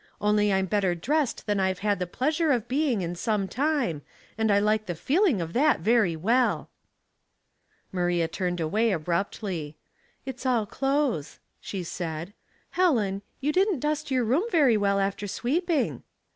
Only I'm better dressed than I've had the pleasure of being in some time, and I like the feeling of that very well." Maria turned away abruptly. " It's all clothes," she said. " Helen, you didn't dust your room very well after sweeping."